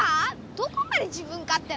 どこまで自分かっ手なの？